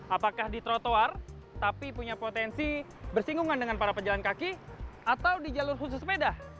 apakah di trotoar tapi punya potensi bersinggungan dengan para pejalan kaki atau di jalur khusus sepeda